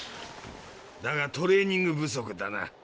だがトレーニング不足だな。